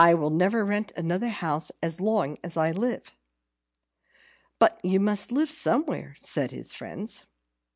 I'll never rent another house as long as I live." "But you must live somewhere," said his friends.